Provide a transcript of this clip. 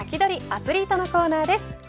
アツリートのコーナーです。